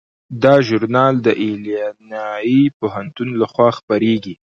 دا ژورنال د ایلینای پوهنتون لخوا خپریږي.